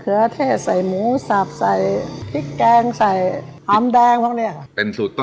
เป็นสูตรต้นตอนหลับทำานาแล้ว